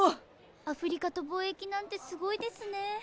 アフリカと貿易なんてすごいですね。